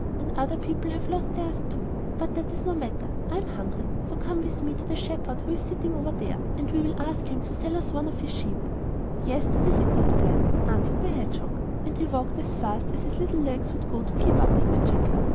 And other people have lost theirs too; but that is no matter! I am hungry, so come with me to the shepherd who is sitting over there, and we will ask him to sell us one of his sheep.' 'Yes, that is a good plan,' answered the hedgehog. And he walked as fast as his little legs would go to keep up with the jackal.